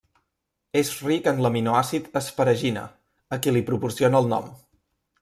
És ric en l'aminoàcid asparagina, a qui li proporciona el nom.